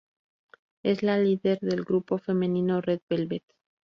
Es la líder del grupo femenino Red Velvet.